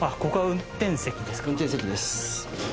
運転席です。